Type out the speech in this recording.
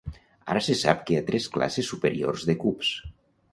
Ara se sap que hi ha tres classes superiors de cubs.